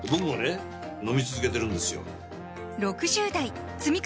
飲み続けてるんですよ